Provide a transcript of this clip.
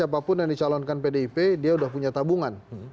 jadi siapapun yang dicalonkan pdip dia sudah punya tabungan